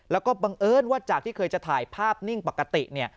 แล้วก็บังเอิญว่าจากที่เคยจะถ่ายภาพนิ่งปกติเนี่ย